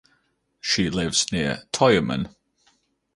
She lives near Tyumen.